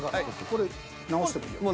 これ直してもいいよね。